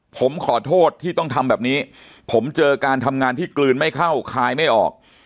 ผมขอโทษที่ต้องทำแบบนี้ผมเจอการทำงานที่กลืนไม่เข้าคายไม่ออก